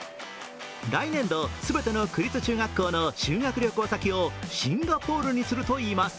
来年度、全ての区立中学校の修学旅行先を、シンガポールにするといいます。